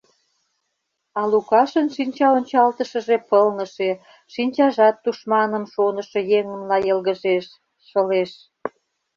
А Лукашын шинчаончалтышыже пылныше, шинчажат тушманым шонышо еҥынла йылгыжеш, шылеш.